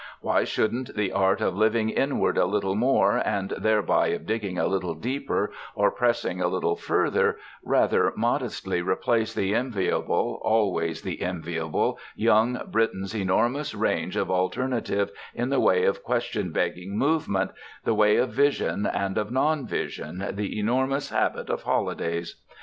Why shouldn't the art of living inward a little more, and thereby of digging a little deeper or pressing a little further, rather modestly replace the enviable, always the enviable, young Briton's enormous range of alternatives in the way of question begging movement, the way of vision and of non vision, the enormous habit of holidays?